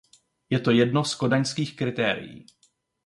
Je to jedno z kodaňských kritérií.